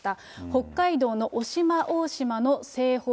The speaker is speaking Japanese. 北海道の渡島大島の西方